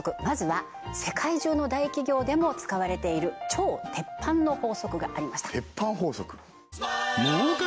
まずは世界中の大企業でも使われている超鉄板の法則がありました鉄板法則